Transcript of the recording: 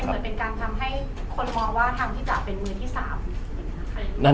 เหมือนเป็นการทำให้คนมองว่าทางพี่จ๋าเป็นมือที่๓อย่างนี้ค่ะ